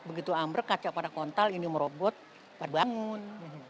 begitu ambrek kaca pada kontal ini merobot pada bangun